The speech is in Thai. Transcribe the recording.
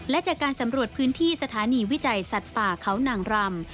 และจากการสำรวจพื้นที่สถานีวิจัยสัตว์ป่าเขานางรำ